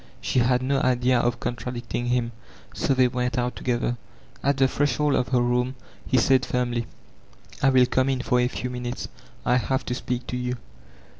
She had no idea of contradicting him; to they went out together. At the threshold of her room he said firmly, I will come in for a few minutes; I have to speak to you."